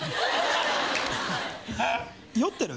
酔ってる？